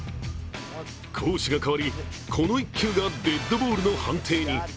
攻守が変わり、この１球がデッドボールの判定に。